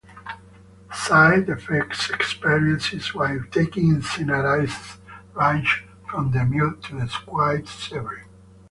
Side effects experienced while taking cinnarizine range from the mild to the quite severe.